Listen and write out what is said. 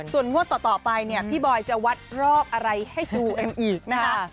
ส่วนงวดต่อไปเนี่ยพี่บอยจะวัดรอบอะไรให้ดูเอ็มอีกนะคะ